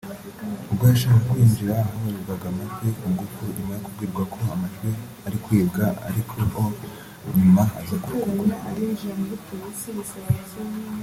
ubwo yashakaga kwinjira ahabarurirwaga amajwi ku ngufu nyuma yo kubwirwa ko amajwi ari kwibwa arikio nyuma aza kurekurwa